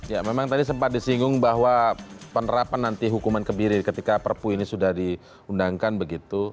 ya memang tadi sempat disinggung bahwa penerapan nanti hukuman kebiri ketika perpu ini sudah diundangkan begitu